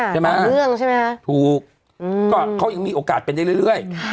ใช่ไหมครับถูกคือเขายังมีโอกาสเป็นเรื่อย